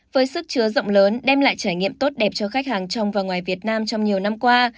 với sức chứa rộng lớn đem lại trải nghiệm tốt đẹp cho khách hàng trong và ngoài việt nam trong nhiều năm qua